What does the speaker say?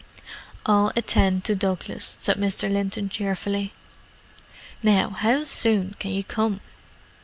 "I'll attend to Douglas," said Mr. Linton cheerfully. "Now, how soon can you come?"